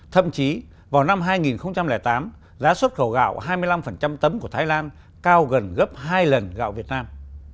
thậm chí vào năm hai nghìn tám giá xuất khẩu gạo hai mươi năm tấm của thái lan cao gần gấp hai lần gạo việt nam